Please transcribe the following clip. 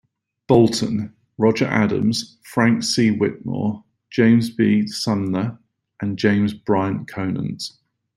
Bolton, Roger Adams, Frank C. Whitmore, James B. Sumner and James Bryant Conant.